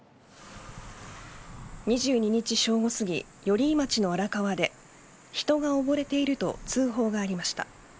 ２２日正午すぎ、寄居町の荒川で人がおぼれていると通報がありました。